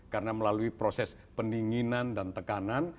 karena melalui proses pendinginan dan tekanan